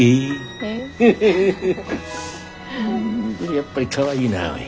やっぱりかわいいなおい。